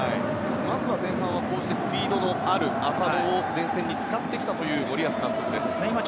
まず前半スピードのある浅野を前線に使ってきた森保監督です。